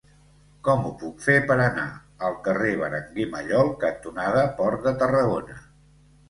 Com ho puc fer per anar al carrer Berenguer Mallol cantonada Port de Tarragona?